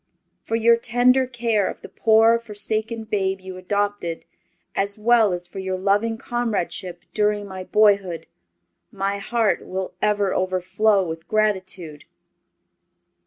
For your tender care of the poor, forsaken babe you adopted, as well as for your loving comradeship during my boyhood, my heart will ever overflow with gratitude.